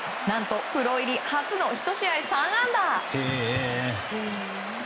何とプロ入り初の１試合３安打。